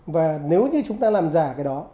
và nếu như chúng ta làm giả cái đó